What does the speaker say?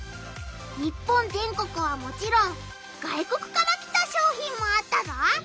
日本全国はもちろん外国から来た商品もあったぞ！